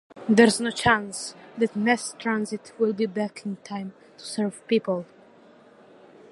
There’s no chance that mass transit will be back in time to serve people